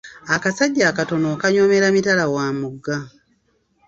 Akasajja akatono okanyoomera mitala wa mugga.